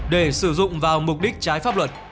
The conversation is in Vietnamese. để sử dụng vào mục đích trái pháp luật